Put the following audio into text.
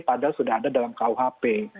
padahal sudah ada dalam kuhp